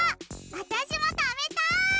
あたしもたべたい！